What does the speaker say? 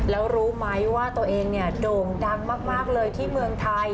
แล้วรู้ไหมว่าตัวเองเนี่ยโด่งดังมากเลยที่เมืองไทย